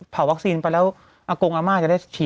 วัคซีนไปแล้วอากงอาม่าจะได้ฉีด